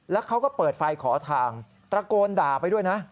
แล้วเขาก็เปิดไฟขอทางตะโกนด่าไปด้วยนะ